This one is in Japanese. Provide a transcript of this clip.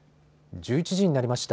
１１時になりました。